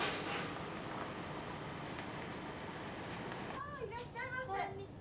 ああいらっしゃいませ。